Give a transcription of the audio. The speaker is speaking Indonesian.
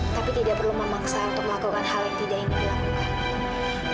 tapi tidak perlu memaksa untuk melakukan hal yang tidak ingin dilakukan